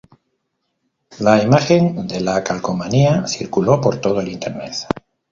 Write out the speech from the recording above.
La imagen de la calcomanía circuló por todo el Internet.